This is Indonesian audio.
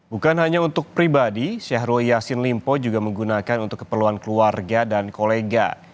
bukan hanya untuk pribadi syahrul yassin limpo juga menggunakan untuk keperluan keluarga dan kolega